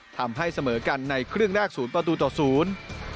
ทำให้เสมอกันในครึ่งแรกศูนย์ประตูต่อศูนย์